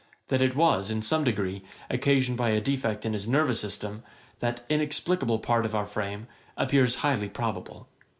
That it was, in some degree, occasioned by a defect in his nervous system, that inexplicable part of our frame, appears highly probable.